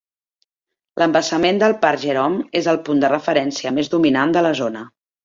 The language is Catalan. L'embassament del parc Jerome és el punt de referència més dominant de la zona.